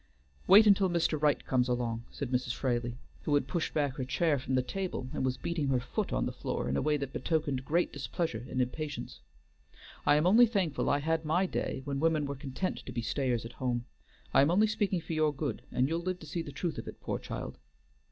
"Wait until Mr. Right comes along," said Mrs. Fraley, who had pushed back her chair from the table and was beating her foot on the floor in a way that betokened great displeasure and impatience. "I am only thankful I had my day when women were content to be stayers at home. I am only speaking for your good, and you'll live to see the truth of it, poor child!"